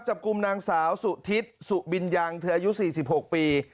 จับกลุ่มนางสาวสุธิศสุบินยังเธออายุ๔๖ปี